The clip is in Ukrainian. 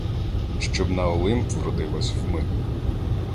Щоб на Олимп вродилась вмиг.